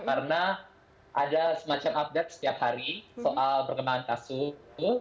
karena ada semacam update setiap hari soal perkembangan kasus